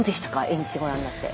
演じてごらんになって。